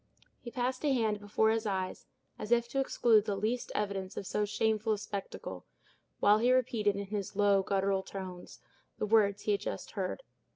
He passed a hand before his eyes, as if to exclude the least evidence of so shameful a spectacle, while he repeated, in his low, guttural tones, the words he had just heard.